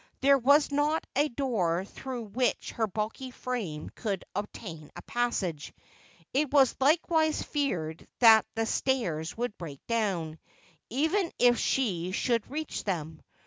There was not a door through which her bulky frame could obtain a passage. It was likewise feared that the stairs would break down, even if she should reach them.